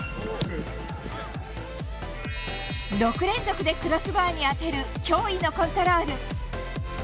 ６連続でクロスバーに当てる驚異のコントロール。